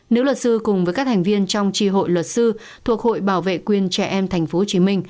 nếu luật sư cùng với các thành viên trong tri hội luật sư thuộc hội bảo vệ quyền trẻ em tp hcm